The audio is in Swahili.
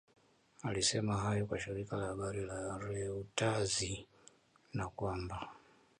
Alisema hayo kwa shirika la habari la Reuttazi na kwamba